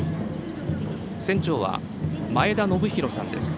船長は前田暢宏さんです。